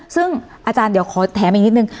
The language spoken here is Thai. ซึ่งอาจารย์เดี๋ยวขอแถมอีกนิดนึง